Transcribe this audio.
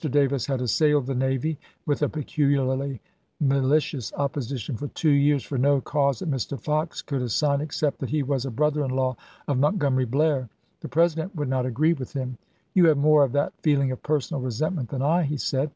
Davis had assailed the navy with a peculiarly malicious opposition for two years for no cause that Mr. Fox could as sign except that he was a brother in law of Mont gomery Blair. The President would not agree with him. " You have more of that feeling of personal resentment than I," he said.